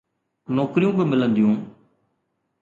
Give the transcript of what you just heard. نوڪريون به ملنديون.